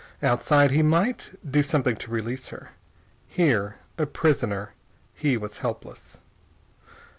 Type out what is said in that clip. Outside, he might do something to release her. Here, a prisoner, he was helpless.